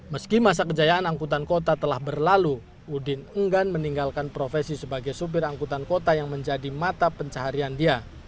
meski masa kejayaan angkutan kota telah berlalu udin enggan meninggalkan profesi sebagai sopir angkutan kota yang menjadi mata pencaharian dia